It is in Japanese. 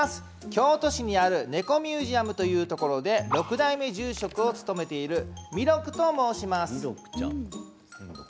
京都市にある猫ミュージアムというところで６代目住職を務めている３６と申します。